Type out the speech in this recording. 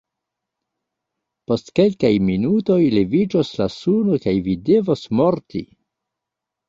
Post kelkaj minutoj leviĝos la suno kaj vi devos morti!